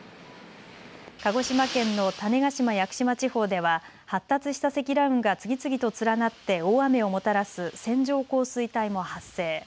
鹿児島県の種子島・屋久島地方では発達した積乱雲が次々と連なって大雨をもたらす線状降水帯も発生。